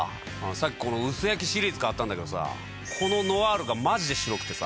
さっきこの薄焼きシリーズ買ったんだけどさぁこのノアールがマジで白くてさ。